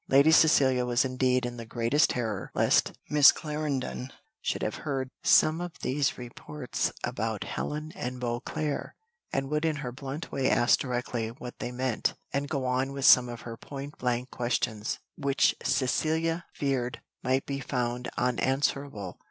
Lady Cecilia was indeed in the greatest terror lest Miss Clarendon should have heard some of these reports about Helen and Beauclerc, and would in her blunt way ask directly what they meant, and go on with some of her point blank questions, which Cecilia feared might be found unanswerable.